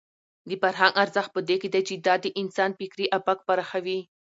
د فرهنګ ارزښت په دې کې دی چې دا د انسان فکري افق پراخوي.